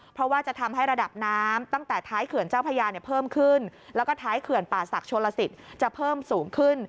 เพราะว่าจะทำให้ระดับน้ำตั้งแต่ท้ายเขื่อนเจ้าพญาเนี่ยเพิ่มขึ้นแล้วก็ท้ายเขื่อนป่าศักดิโชลสิทธิ์จะเพิ่มสูงขึ้น